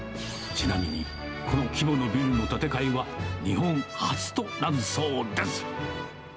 ちなみに、この規模のビルの建て替えは日本初となるそうです。